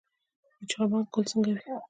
د چهارمغز ګل څنګه وي؟